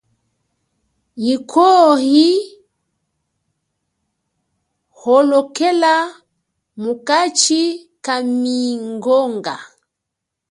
Yikwo, iyi holokela mukachi kamingonga.